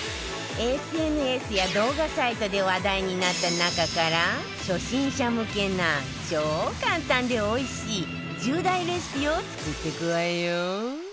ＳＮＳ や動画サイトで話題になった中から初心者向けな超簡単でおいしい１０大レシピを作っていくわよ